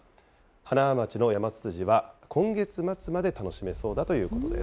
塙町のヤマツツジは今月末まで楽しめそうだということです。